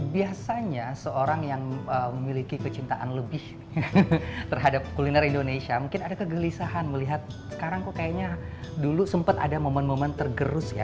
biasanya seorang yang memiliki kecintaan lebih terhadap kuliner indonesia mungkin ada kegelisahan melihat sekarang kok kayaknya dulu sempat ada momen momen tergerus ya